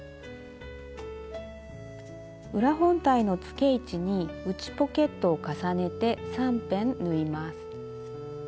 裏本体のつけ位置に内ポケットを重ねて３辺縫います。